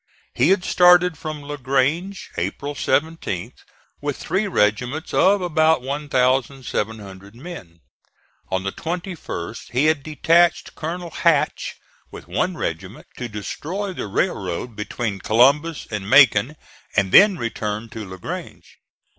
He had started from La Grange April 17th with three regiments of about 1,700 men. On the 21st he had detached Colonel Hatch with one regiment to destroy the railroad between Columbus and Macon and then return to La Grange.